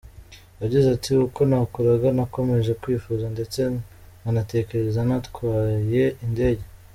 Yagize ati “Uko nakuraga nakomeje kwifuza ndetse nkanatekereza natwaye indege.